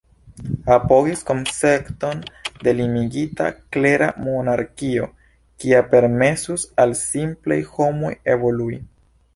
Apogis koncepton de limigita, klera monarkio, kia permesus al simplaj homoj evolui.